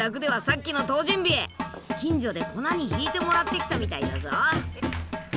近所で粉にひいてもらってきたみたいだぞ。